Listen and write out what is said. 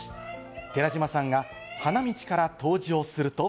寺島さんが花道から登場すると。